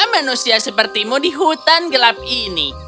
manusia sepertimu di hutan gelap ini